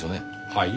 はい？